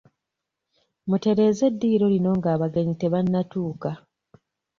Mutereeze eddiiro lino ng'abagenyi tebannatuuka